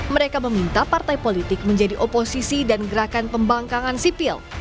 mereka meminta partai politik menjadi oposisi dan gerakan pembangkangan sipil